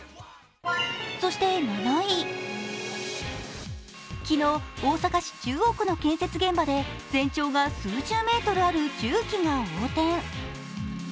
そして７位、昨日、大阪市中央区の建設現場で全長が数十メートルある重機が横転。